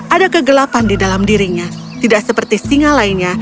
ada kegelapan di dalam dirinya tidak seperti singa lainnya